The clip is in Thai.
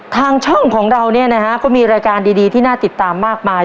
ทางช่องของเราเนี่ยนะฮะก็มีรายการดีที่น่าติดตามมากมาย